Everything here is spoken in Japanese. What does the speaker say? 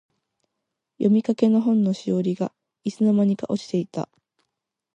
読みかけの本のしおりが、いつの間にか落ちていた。